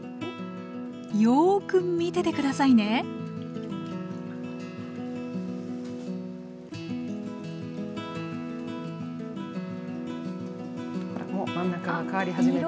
よく見てて下さいねほらもう真ん中が変わり始めた。